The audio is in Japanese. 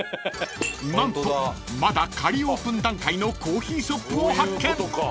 ［何とまだ仮オープン段階のコーヒーショップを発見］